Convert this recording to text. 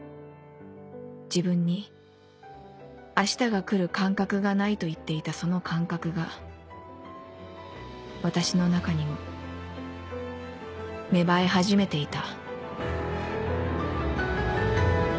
「自分に明日が来る感覚がない」と言っていたその感覚が私の中にも芽生え始めていた